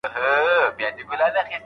موږ به پر بل چا احسان نه اچوو.